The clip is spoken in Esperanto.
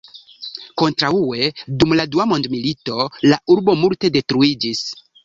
Kontraŭe dum la dua mondmilito la urbo multe detruiĝis.